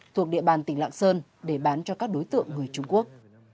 thuộc địa bàn tỉnh lạng sơn để bán cho các đối tượng người trung quốc